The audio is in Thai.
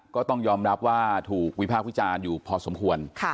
ก็ต้องยอมรับว่าถูกวิพากษ์วิจารณ์อยู่พอสมควร